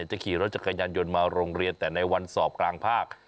จะขี่รถจักรยานยนต์มาโรงเรียนแต่ในวันสอบกลางภาค